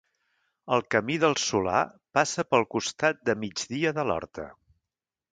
El Camí del Solà passa pel costat de migdia de l'horta.